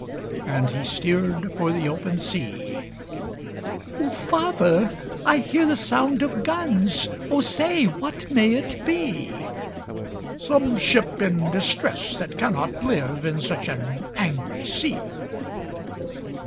And he steered for the open sea. "O father! I hear the sound of guns, O say, what may it be?" "Some ship in distress, that cannot live In such an angry sea!"